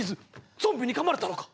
ゾンビにかまれたのか！？